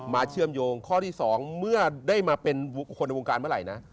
เชื่อมโยงข้อที่๒เมื่อได้มาเป็นคนในวงการเมื่อไหร่นะ